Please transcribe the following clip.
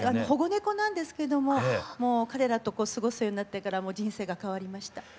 保護猫なんですけども彼らと過ごすようになってから人生が変わりました。